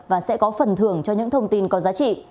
và sẽ có phần thưởng cho những thông tin có giá trị